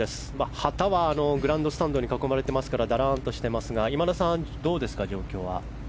旗はグランドスタンドに囲まれていますからだらんとしていますが今田さん、状況はどうですか？